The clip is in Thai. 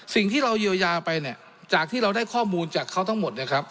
สิ่งที่เราเยียวยาไปเนี่ยจากที่เราได้ข้อมูลจากเขาทั้งหมดนะครับ